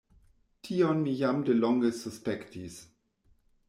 Tion mi jam de longe suspektis.